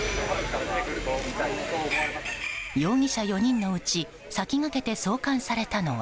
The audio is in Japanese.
容疑者４人のうち先駆けて送還されたのは。